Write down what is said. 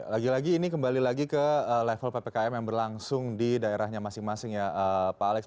lagi lagi ini kembali lagi ke level ppkm yang berlangsung di daerahnya masing masing ya pak alex